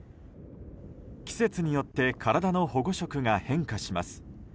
季節によって体の保護色が変化します。